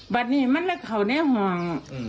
บันนี้มันเลยเขาในห่องอืม